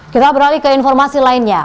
kita beralih ke informasi lainnya